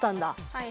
はい。